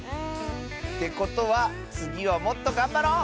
てことはつぎはもっとがんばろう！